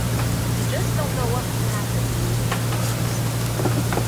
You just don't know what will happen when you take drugs.